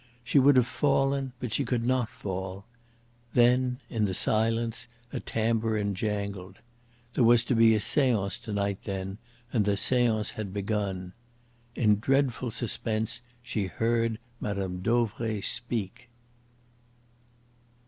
She would have fallen, but she could not fall. Then, in the silence, a tambourine jangled. There was to be a seance to night, then, and the seance had begun. In a dreadful suspense she heard Mme. Dauvray speak.